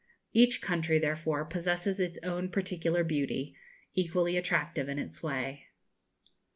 Each country, therefore, possesses its own particular beauty, equally attractive in its way.